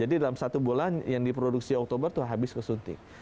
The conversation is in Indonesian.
jadi dalam satu bulan yang diproduksi oktober itu habis kesuntik